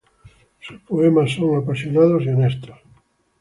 Sus poemas son apasionados y honestos.